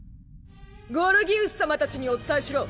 ゴルギウス様たちにお伝えしろ。